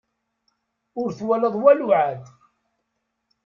Ur twalaḍ walu ɛad.